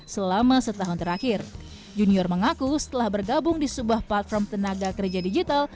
selama setahun terakhir junior mengaku setelah bergabung di sebuah platform tenaga kerja digital